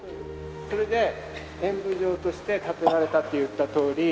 それで演武場として建てられたって言ったとおり。